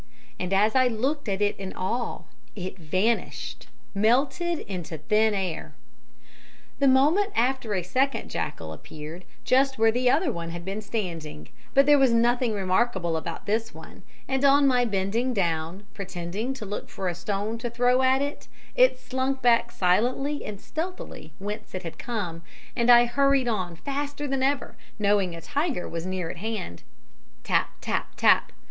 And as I looked at it in awe, it vanished melted into thin air. "The moment after a second jackal appeared just where the other one had been standing, but there was nothing remarkable about this one, and on my bending down, pretending to look for a stone to throw at it, it slunk back silently and stealthily whence it had come, and I hurried on faster than ever, knowing a tiger was near at hand. "Tap! tap! tap!